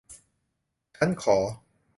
ชั้นขอ